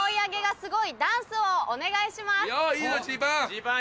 ・すごい。